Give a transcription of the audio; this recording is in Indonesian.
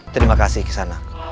terima kasih kisanak